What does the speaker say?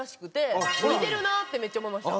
見てるなってめっちゃ思いました。